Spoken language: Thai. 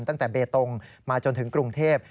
ตั้งแต่เบตงมาจนถึงกรุงเทพ